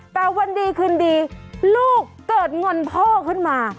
แต่วันดีคืนดีลูกเกิดงอนพ่อขึ้นมา